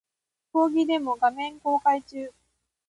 講義デモ画面公開中